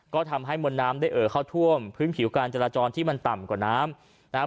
ก็ทำให้มวลน้ำได้เอ่อเข้าท่วมพื้นผิวการจราจรที่มันต่ำกว่าน้ำนะฮะ